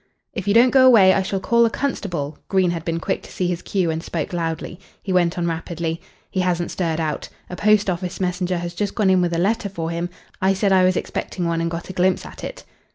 "If you don't go away I shall call a constable." Green had been quick to see his cue and spoke loudly. He went on rapidly. "He hasn't stirred out. A post office messenger has just gone in with a letter for him. I said I was expecting one, and got a glimpse at it."